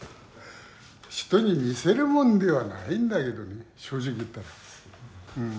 人に見せるもんではないんだけどね正直言ったら。